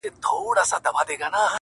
o نو دا څنکه د ده څو چنده فایده ده,